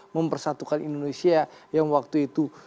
mempersatukan indonesia yang waktu itu